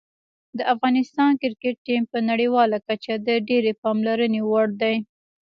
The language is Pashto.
د افغانستان کرکټ ټیم په نړیواله کچه د ډېرې پاملرنې وړ دی.